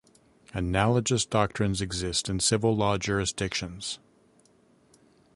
Analogous doctrines exist in civil law jurisdictions.